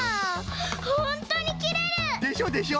ほんとにきれる！でしょでしょ！